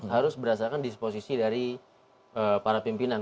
harus berdasarkan disposisi dari para pimpinan